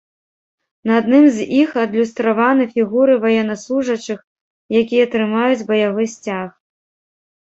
На адным з іх адлюстраваны фігуры ваеннаслужачых, якія трымаюць баявы сцяг.